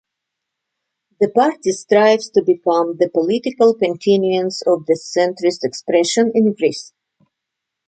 The party strives to become "the political continuance of the centrist expression in Greece".